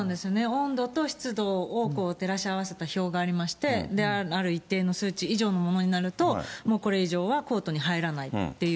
温度と湿度を照らし合わせた表がありまして、ある一定の数値以上のものになると、もうこれ以上はコートに入らないっていう。